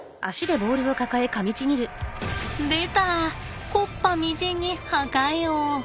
でた木っ端みじんに破壊王。